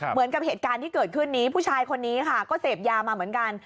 เหมือนกับเหตุการณ์ที่เกิดขึ้นนี้ผู้ชายคนนี้ค่ะก็เสพยามาเหมือนกัน